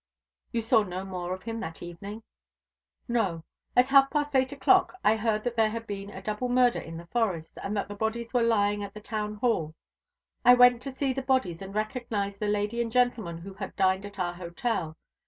"You saw no more of him that evening?" "No. At half past eight o'clock I heard that there had been a double murder in the forest, and that the bodies were lying at the Town Hall. I went to see the bodies, and recognised the lady and gentleman who had dined at our hotel.